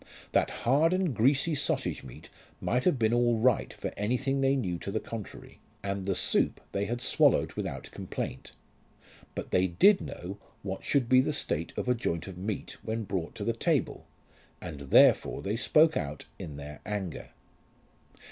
That hard and greasy sausage meat might have been all right for anything they knew to the contrary, and the soup they had swallowed without complaint. But they did know what should be the state of a joint of meat when brought to the table, and therefore they spoke out in their anger.